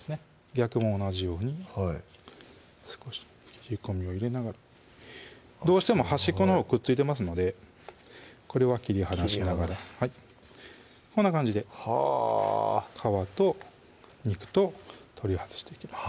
逆も同じようにはい少し切り込みを入れながらどうしても端っこのほうくっついてますのでこれは切り離しながらこんな感じではぁ皮と肉と取り外していきます